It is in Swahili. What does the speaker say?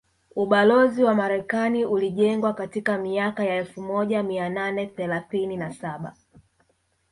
Ubalozi wa Marekani ulijengwa katika miaka ya elfu moja mia nane thelathini na saba